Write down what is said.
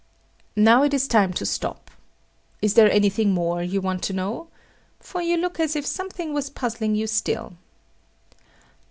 Now it is time to stop. Is there anything more you want to know? for you look as if something was puzzling you still.